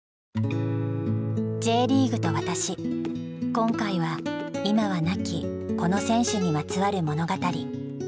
今回は今は亡きこの選手にまつわる物語。